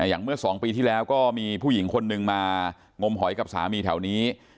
เมื่อ๒ปีที่แล้วก็มีผู้หญิงคนนึงมางมหอยกับสามีแถวนี้